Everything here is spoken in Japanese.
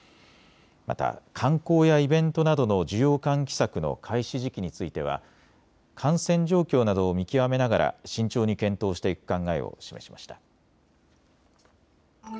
また観光やイベントなどの需要喚起策の開始時期については感染状況などを見極めながら慎重に検討していく考えを示しました。